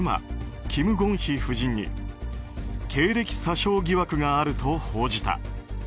キム・ゴンヒ夫人に経歴詐称疑惑があると報じた。